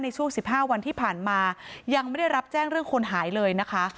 ในช่วง๑๕วันที่ผ่านมายังไม่ได้รับแจ้งเรื่องคนหายเลยนะคะ